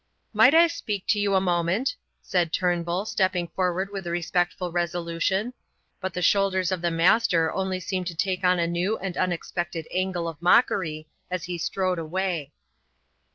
"Might I speak to you a moment?" said Turnbull, stepping forward with a respectful resolution. But the shoulders of the Master only seemed to take on a new and unexpected angle of mockery as he strode away.